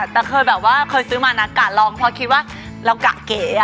แต่เคยซื้อมากะลองเพราะคิดว่าเรากะเก๋